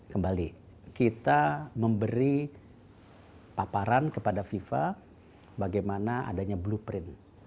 kembali kita memberi paparan kepada fifa bagaimana adanya blueprint